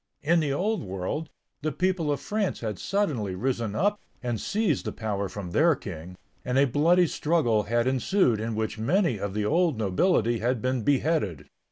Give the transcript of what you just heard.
In the old world, the people of France had suddenly risen up and seized the power from their king, and a bloody struggle had ensued in which many of the old nobility had been beheaded.